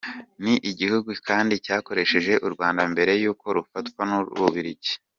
Ni igihugu kandi cyakoroneje u Rwanda mbere y’uko rufatwa n’u Bubiligi.